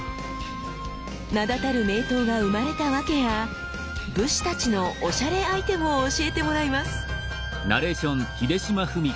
名だたる名刀が生まれたワケや武士たちのおしゃれアイテムを教えてもらいます。